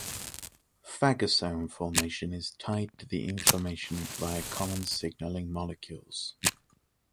Phagosome formation is tied to inflammation via common signalling molecules.